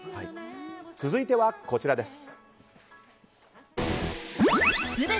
続いてはこちらです。